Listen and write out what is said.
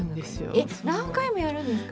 え何回もやるんですか？